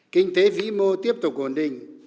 kinh tế vĩ mô tiếp tục ổn định